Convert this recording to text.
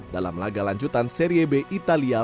dalam laga lanjutan serie b italia